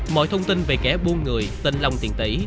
mọi thông tin về kẻ buôn người tên long tiền tỷ